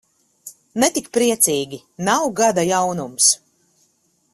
Ne tik priecīgi, nav gada jaunums.